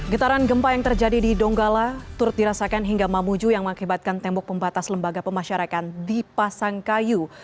getaran gempa yang terjadi di donggala turut dirasakan hingga mamuju yang mengakibatkan tembok pembatas lembaga pemasyarakan di pasangkayu